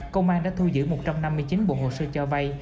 công an đã thu giữ một trăm năm mươi chín bộ hồ sơ cho vay